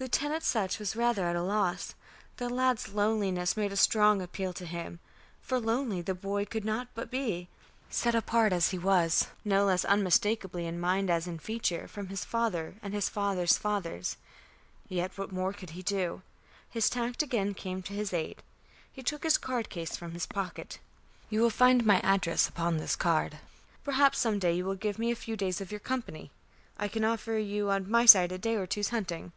Lieutenant Sutch was rather at a loss. The lad's loneliness made a strong appeal to him. For lonely the boy could not but be, set apart as he was, no less unmistakably in mind as in feature, from his father and his father's fathers. Yet what more could he do? His tact again came to his aid. He took his card case from his pocket. "You will find my address upon this card. Perhaps some day you will give me a few days of your company. I can offer you on my side a day or two's hunting."